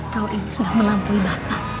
kalau ini sudah melampaui batas